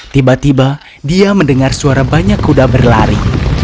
tiba tiba dia mendengar suara banyak kuda berlari